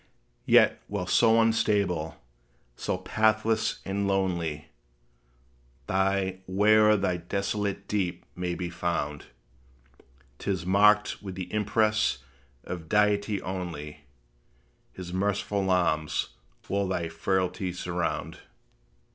Yet, while so unstable, so pathless and lonely, Thy way o'er that desolate deep may be found, 'T is marked with the impress of Deity only; His merciful arms will thy frailty surround.